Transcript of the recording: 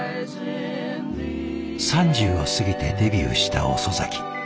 ３０を過ぎてデビューした遅咲き。